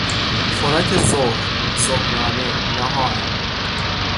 خوراک ظهر، ظهرانه، نهار